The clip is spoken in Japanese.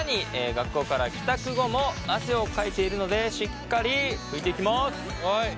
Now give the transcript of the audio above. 学校から帰宅後も汗をかいているのでしっかり拭いていきます。